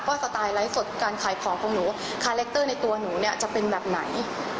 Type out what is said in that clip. สไตล์ไลฟ์สดการขายของของหนูคาแรคเตอร์ในตัวหนูเนี่ยจะเป็นแบบไหน